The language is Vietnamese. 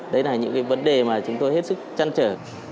đấy là những cái vấn đề mà chúng tôi hết sức chăn trở